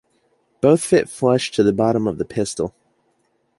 Both fit flush to the bottom of the pistol.